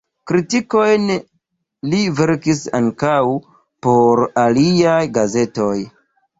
Kritikojn li verkis ankaŭ por aliaj gazetoj.